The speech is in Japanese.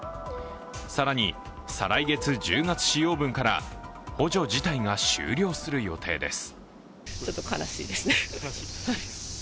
更に再来月、１０月使用分から補助自体が終了する予定です。